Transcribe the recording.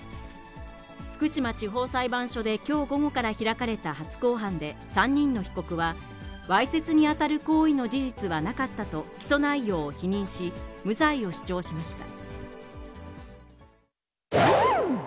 福島地方裁判所できょう午後から開かれた初公判で３人の被告は、わいせつに当たる行為の事実はなかったと、起訴内容を否認し、無罪を主張しました。